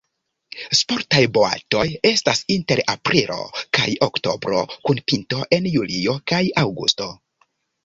Sportaj boatoj estas inter aprilo kaj oktobro kun pinto en julio kaj aŭgusto.